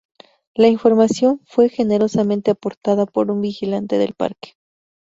La información fue generosamente aportada por un vigilante del parque.